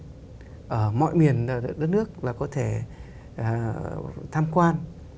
mọi người ở mọi miền đất nước là có thể tham quan